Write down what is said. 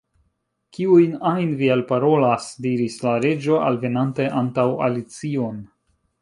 "Kiun ajn vi alparolas?" diris la Reĝo, alvenante antaŭ Alicion.